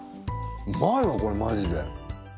うまいわこれマジで。